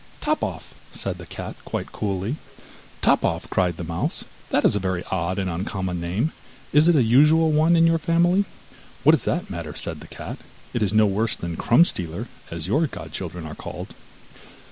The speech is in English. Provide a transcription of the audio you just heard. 'Top off!' said the cat quite coolly. 'Top off!' cried the mouse, 'that is a very odd and uncommon name, is it a usual one in your family?' 'What does that matter,' said the cat, 'it is no worse than Crumb stealer, as your godchildren are called.